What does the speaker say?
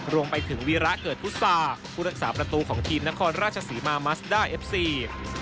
รวมไปถึงวีระเกิดพุษาผู้รักษาประตูของทีมนครราชศรีมามัสด้าเอฟซี